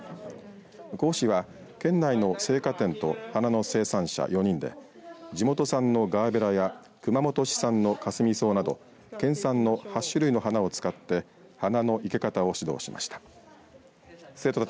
講師は県内の生花店と花の生産者４人で地元産のガーベラや熊本市産のカスミソウなど県産の８種類の花を使って花の生けかたを指導しました。